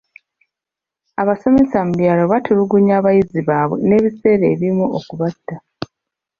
Abasomesa mu byalo batulugunya abayizi baabwe n'ebiseera ebimu okubatta.